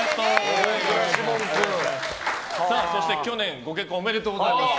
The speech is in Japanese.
去年、ご結婚おめでとうございます。